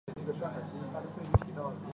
有苏氏被认为是后世苏姓之始祖。